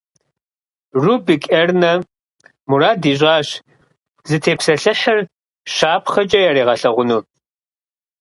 Рубик Эрно мурад ищIащ зытепсэлъыхьыр щапхъэкIэ яригъэлъэгъуну.